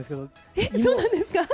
えっ、そうなんですか。